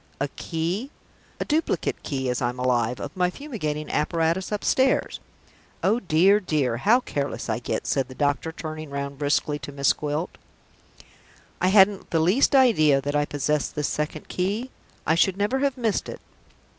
A key? A duplicate key, as I'm alive, of my fumigating apparatus upstairs! Oh dear, dear, how careless I get," said the doctor, turning round briskly to Miss Gwilt. "I hadn't the least idea that I possessed this second key. I should never have missed it.